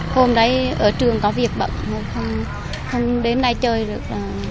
hôm đấy ở trường có việc bận không đến đây chơi được